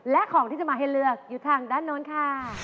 และของที่จะมาให้เลือกอยู่ทางด้านโน้นค่ะ